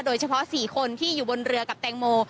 โดยเฉพาะ๔คนที่อยู่บนเรือกับแตงโม